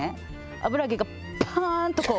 油揚げがパーン！とこう。